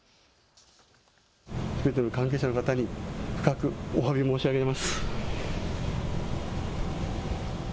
すべての関係者の方に深くおわび申し上げます。